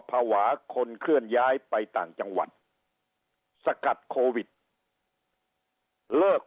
ภาวะคนเคลื่อนย้ายไปต่างจังหวัดสกัดโควิดเลิก